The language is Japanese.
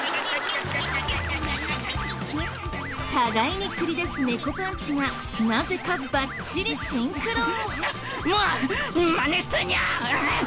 互いに繰り出す猫パンチがなぜかバッチリシンクロ。